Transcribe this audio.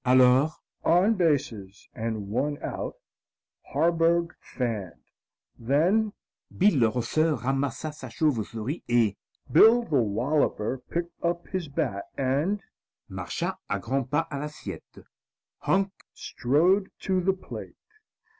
Alors on bases and one out, Harburg fanned. Then Bill le Rosseur ramassa sa chauve souris et Bill the Walloper picked up his bat and marcha à grands pas à l'assiette. Hank strode to the plate.